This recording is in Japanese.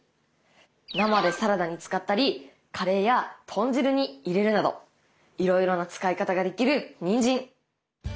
生でサラダに使ったりカレーや豚汁に入れるなどいろいろな使い方ができるにんじん。